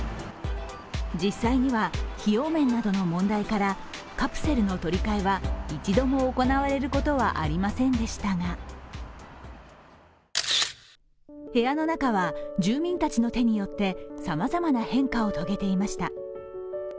実際には費用面などの問題からカプセルの取り替えは一度も行われることはありませんでしたが部屋の中は、住民たちの手によってさまざまな変化を遂げていました。